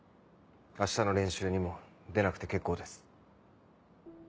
あしたの練習にも出なくて結構です。